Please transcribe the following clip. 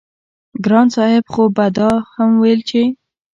ګران صاحب خو به دا هم وييل چې